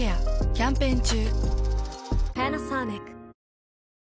キャンペーン中。